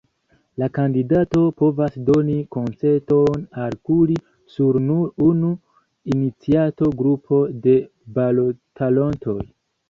La kandidato povas doni konsenton al kuri sur nur unu iniciato grupo de balotantoj.